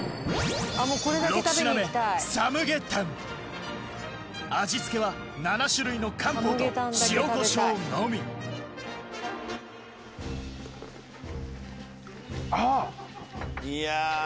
６品目味付けは７種類の漢方と塩コショウのみあっ。